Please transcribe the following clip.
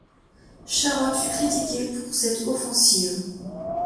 Sharon fut critiqué pour cette offensive.